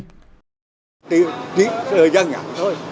chỉ là giang ngã thôi